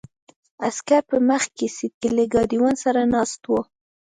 عسکر په مخکې سیټ کې له ګاډیوان سره ناست وو.